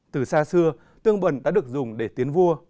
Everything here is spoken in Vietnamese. từ xa xưa tương bần đã được dùng để tiến vua